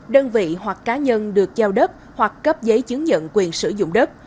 đơn vị hoặc cá nhân được giao đất hoặc cấp giấy chứng nhận quyền sử dụng đất